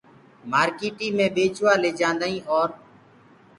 مارڪيٽي مي ٻيچوآ ليجآدآئين اور